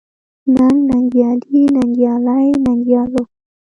ننګ، ننګيالي ، ننګيالۍ، ننګيالو ،